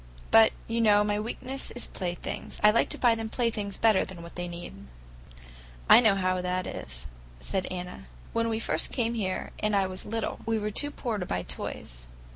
"But, you know, my weakness is playthings. I like to buy them playthings better than what they need." "I know how that is," said Anna. "When we first came here, and I was little, we were too poor to buy toys.